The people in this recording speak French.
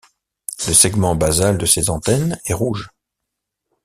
Le segment basal de ses antennes est rouge.